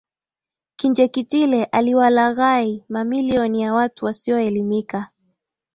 Kinjekitile aliwalaghai mamilioni ya watu wasioelimika